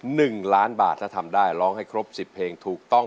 หนึ่งล้านบาทถ้าทำได้ร้องให้ครบสิบเพลงถูกต้อง